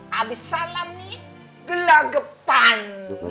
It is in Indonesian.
habis salam nih gelagepan